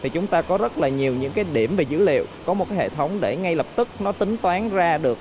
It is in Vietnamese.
chúng ta có rất nhiều điểm về dữ liệu có một hệ thống để ngay lập tức tính toán ra được